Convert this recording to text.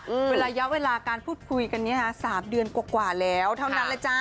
เวลาย้อนเวลาการพูดคุยกันนี้สามเดือนกว่าแล้วเท่านั้นแหละจ๊ะ